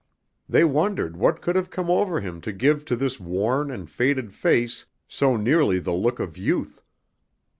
They wondered what could have come over him to give to his worn and faded face so nearly the look of youth.